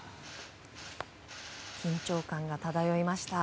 緊張感が漂いました。